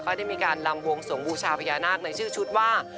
ได้มีการลำวงสวงบูชาพญานาคในชื่อชุดว่า